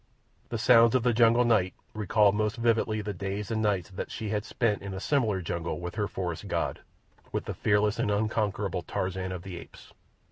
The sounds of the jungle night recalled most vividly the days and nights that she had spent in a similar jungle with her forest god—with the fearless and unconquerable Tarzan of the Apes.